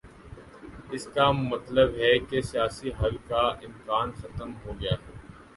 اس کا مطلب ہے کہ سیاسی حل کا امکان ختم ہو گیا ہے۔